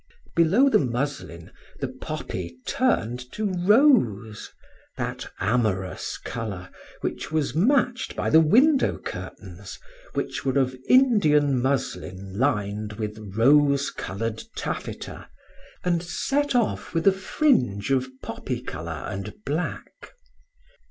Below the muslin the poppy turned to rose, that amorous color, which was matched by window curtains, which were of Indian muslin lined with rose colored taffeta, and set off with a fringe of poppy color and black.